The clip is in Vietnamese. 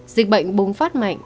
dịch bệnh bùng phát mạnh